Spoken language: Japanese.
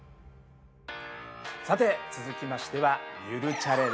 さて続きましては「ゆるチャレ」です。